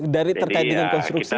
dari terkait dengan konstruksi